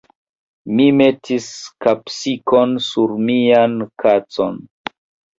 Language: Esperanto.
Mi metis kapsikon sur mian kacon.